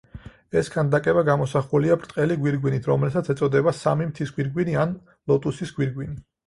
ეს ქანდაკება გამოსახულია ბრტყელი გვირგვინით, რომელსაც ეწოდება „სამი მთის გვირგვინი“ ან „ლოტუსის გვირგვინი“.